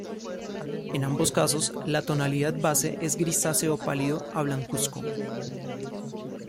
En ambos casos, la tonalidad base es grisáceo pálido a blancuzco.